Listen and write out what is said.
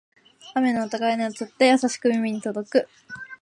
雨の音が屋根を伝って、優しく耳に届く